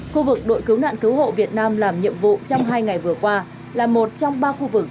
khu vực đội cứu nạn cứu hộ việt nam làm nhiệm vụ trong hai ngày vừa qua là một trong ba khu vực